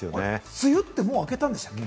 梅雨ってもう明けたんでしたっけ？